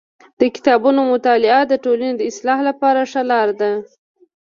د کتابونو مطالعه د ټولني د اصلاح لپاره ښه لار ده.